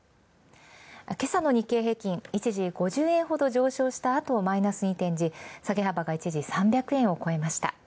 今朝の日経平均株価、一時５０円ほど上昇したあとマイナスに転じ、下げ幅が一時３００円をこえました。